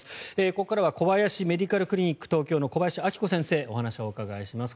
ここからは小林メディカルクリニック東京の小林暁子先生にお話を伺います。